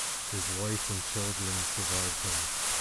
His wife and children survived him.